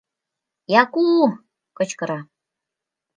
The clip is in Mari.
— Яку! — кычкыра.